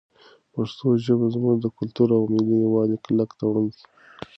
پښتو ژبه زموږ د کلتوري او ملي یووالي کلک تړون دی.